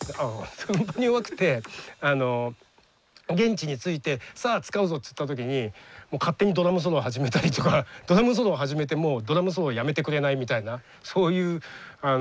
運搬に弱くて現地に着いてさあ使うぞっていった時にもう勝手にドラムソロ始めたりとかドラムソロを始めてもドラムソロやめてくれないみたいなそういう何ですかね